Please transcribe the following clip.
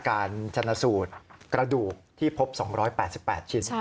การชนะสูตรกระดูกที่พบ๒๘๘ชิ้น